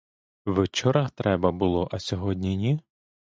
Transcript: Вчора треба було, а сьогодні ні?